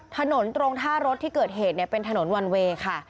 ถนนตรงท่ารถที่เกิดเหตุเป็นถนนวันเวย์ค่ะ